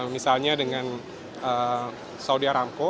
misalnya dengan saudi aramco